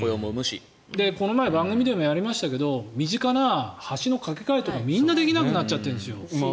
この前、番組でもやりましたが身近な橋の架け替えとかみんなできなくなっちゃってるんです。